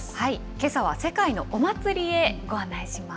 けさは世界のお祭りへご案内します。